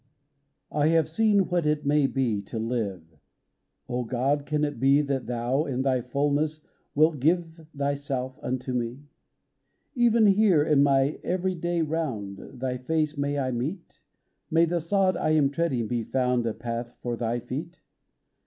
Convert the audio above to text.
I HAVE seen what it may be to live : O God, can it be That Thou, in Thy fullness, wilt give Thyself unto me ? Even here, in my every day round, Thy Face may I meet ? May the sod I am treading be found A path for Thy feet